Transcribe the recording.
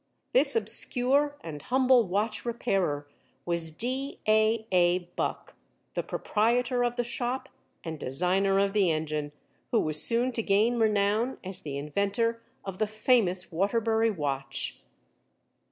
This obscure and humble watch repairer was D. A. A. Buck, the proprietor of the shop and designer of the engine, who was soon to gain renown as the inventor of the famous Waterbury watch.